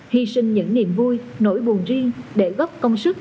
hy sinh những niềm vui nỗi buồn riêng để góp công sức